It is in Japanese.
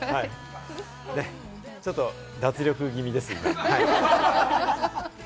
ねっ、ちょっと脱力気味です、今。